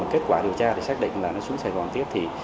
kết quả điều tra thì xác định là nó xuống sài gòn tiếp thì